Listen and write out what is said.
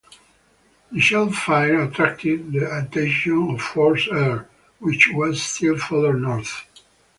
The shellfire attracted the attention of Force R, which was still further north.